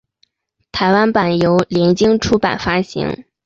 台湾版由联经出版发行。